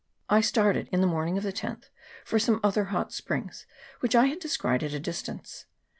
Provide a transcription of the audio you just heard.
I started in the morning of the 10th for some other hot springs which I had descried at a dis tance.